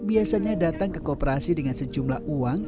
biasanya datang ke kooperasi dengan sejumlah uang